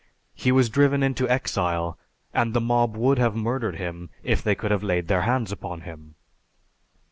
He was driven into exile, and the mob would have murdered him if they could have laid their hands upon him.